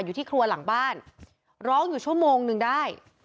อยู่ที่ครัวหลังบ้านร้องอยู่ชั่วโมงนึงได้